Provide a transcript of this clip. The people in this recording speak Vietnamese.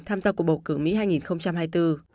tham gia cuộc bầu cử mỹ hai nghìn hai mươi bốn